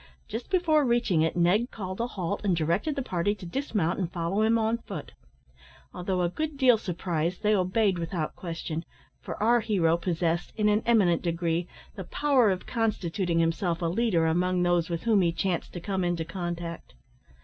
Just before reaching it Ned called a halt, and directed the party to dismount and follow him on foot. Although a good deal surprised, they obeyed without question; for our hero possessed, in an eminent degree, the power of constituting himself a leader among those with whom he chanced to come into contact.